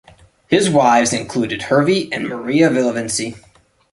His wives included Hervey and Maria Villavincie.